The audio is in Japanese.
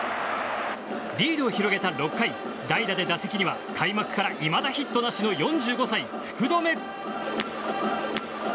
リードを広げた６回、代打で打席には開幕からいまだヒットなしの４５歳、福留。